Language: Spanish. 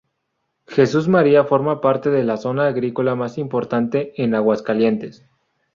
Jesús María forma parte de la zona agrícola más importante en Aguascalientes.